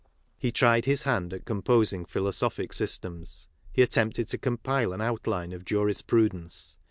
He tried his hand at composing philo sophic systems. He attempted to compile an outline of jurisprudence.